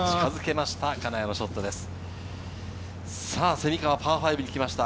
蝉川、パー５に来ました。